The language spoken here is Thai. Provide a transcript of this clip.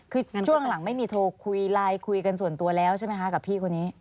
คือช่วงหลังไม่มีโทรคุยไลน์คุยกันส่วนตัวแล้วใช่ไหมคะกับพี่คนนี้